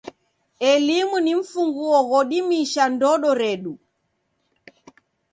Elimu ni mfunguo ghodimisha ndodo redu.